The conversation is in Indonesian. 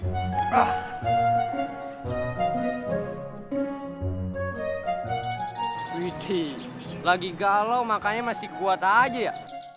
hai widi lagi galau makanya masih kuat aja ya